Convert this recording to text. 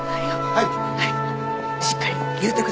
はい。